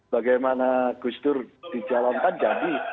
bagaimana gus dur dijalankan jadi